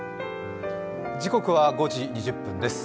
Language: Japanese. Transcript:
時刻は５時２０分です。